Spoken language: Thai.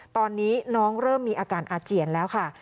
ตอนนี้น้องเริ่มมีอาการอาเจียนแล้วค่ะ